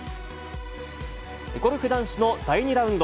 ゴルフ男子の第２ラウンド。